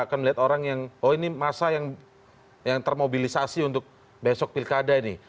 akan melihat orang yang oh ini masa yang termobilisasi untuk besok pilkada ini